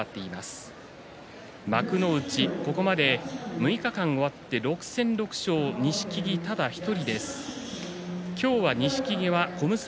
ここまで６日間を終わって６戦６勝は錦木ただ１人。